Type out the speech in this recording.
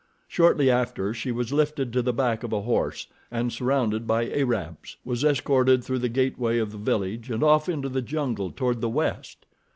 Shortly after, she was lifted to the back of a horse, and surrounded by Arabs, was escorted through the gateway of the village and off into the jungle toward the west.